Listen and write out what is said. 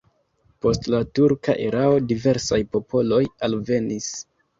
Post la turka erao diversaj popoloj alvenis.